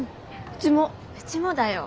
うちもだよ。